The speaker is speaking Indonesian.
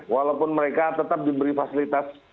walaupun mereka tetap diberi fasilitas